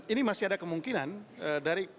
ini masih ada kemungkinan dari